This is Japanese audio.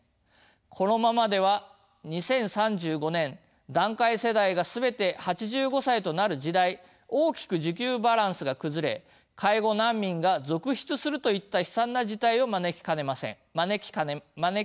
このままでは２０３５年団塊世代が全て８５歳となる時代大きく需給バランスが崩れ介護難民が続出するといった悲惨な事態を招きかねません。